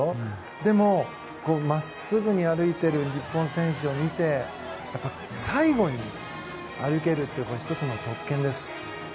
でも真っすぐに歩いている日本選手を見てやっぱり最後に歩けるというのは１つの特権です。